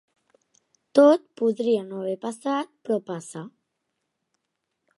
Tot podria no haver passat, però passa.